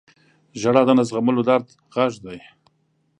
• ژړا د نه زغملو درد غږ دی.